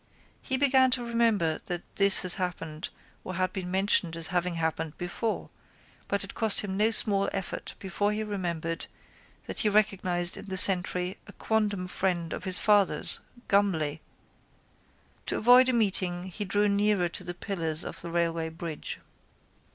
He began to remember that this had happened or had been mentioned as having happened before but it cost him no small effort before he remembered that he recognised in the sentry a quondam friend of his father's, Gumley. To avoid a meeting he drew nearer to the pillars of the railway bridge.